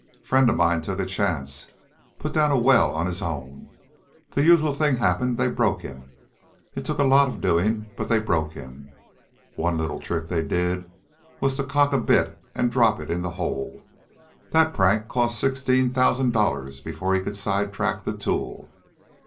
Friend of mine took a chance; put down a well on his own. The usual thing happened; they broke him. It took a lot of doing, but they broke him. One little trick they did was to cock a bit and drop it in the hole. That prank cost him sixteen thousand dollars before he could 'side track' the tool.